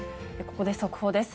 ここで速報です。